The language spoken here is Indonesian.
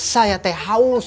saya teh jadi mati rasa